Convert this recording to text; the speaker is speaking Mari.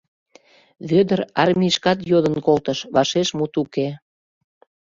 Вӧдыр армийышкат йодын колтыш, вашеш мут уке.